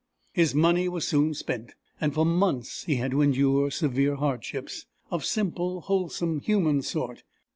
His money was soon spent, and for months he had to endure severe hardships of simple, wholesome human sort.